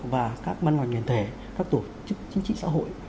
và các ban ngoài nền thể các tổ chức chính trị xã hội